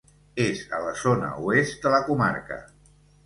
És a la zona oest de la comarca.